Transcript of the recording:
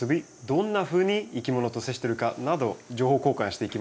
どんなふうにいきものと接してるかなど情報交換していきます。